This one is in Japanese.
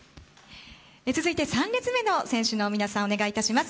続いて３列目の選手の皆さんお願いいたします。